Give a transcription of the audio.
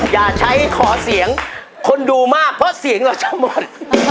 อย่าใช้ขอเสียงคนดูมากเพราะเสียงเราจะหมด